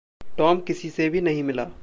Tom किसी से भी नहीं मिला।